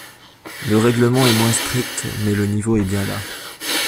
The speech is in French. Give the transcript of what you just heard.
Le règlement est moins strict mais le niveau est bien là.